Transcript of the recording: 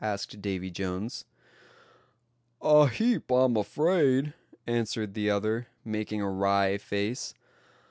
asked Davy Jones. "A heap, I'm afraid," answered the other, making a wry face.